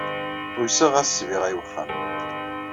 Ulseɣ-as ssbiɣa i wexxam.